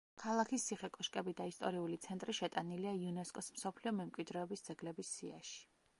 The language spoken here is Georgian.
ქალაქის ციხე-კოშკები და ისტორიული ცენტრი შეტანილია იუნესკოს მსოფლიო მემკვიდრეობის ძეგლების სიაში.